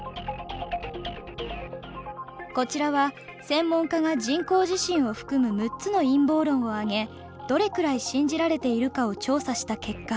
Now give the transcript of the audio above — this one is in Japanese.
こちらは専門家が人工地震を含む６つの陰謀論を挙げどれくらい信じられているかを調査した結果。